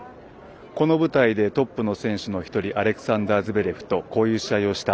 この舞台でトップの選手の１人アレクサンダー・ズベレフとこういう試合をした。